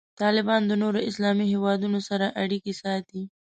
طالبان د نورو اسلامي هیوادونو سره اړیکې ساتي.